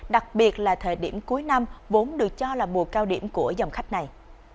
đặc biệt là thời điểm cuối năm vốn được cho là mùa cao điểm của dòng khách này